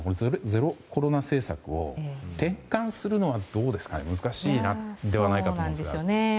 ゼロコロナ政策を転換するのは難しいんではないかと思いますが。